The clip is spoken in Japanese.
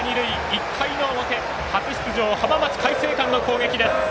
１回の表、初出場浜松開誠館の攻撃です。